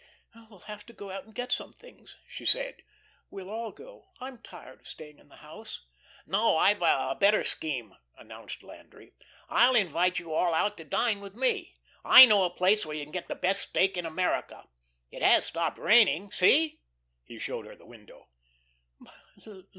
"We'll have to go out and get some things," she said. "We'll all go. I'm tired of staying in the house." "No, I've a better scheme," announced Landry. "I'll invite you all out to dine with me. I know a place where you can get the best steak in America. It has stopped raining. See," he showed her the window.